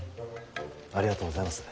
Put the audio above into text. ありがとうございます。